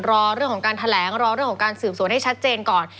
รอเรื่องของการแถลงรอเรื่องของการสืบสวนให้ชัดเจนก่อน